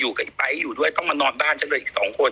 อยู่กับไอ้ป๊ายอยู่ด้วยต้องมานอนบ้านฉันด้วยอีก๒คน